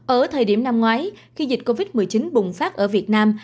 ở thời điểm năm ngoái khi dịch covid một mươi chín bùng phát ở việt nam